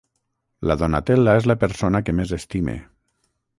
La Donatella és la persona que més estime.